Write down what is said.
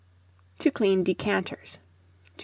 To clean Decanters. 2336.